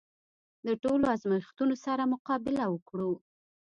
د ټولو ازمېښتونو سره مقابله وکړو.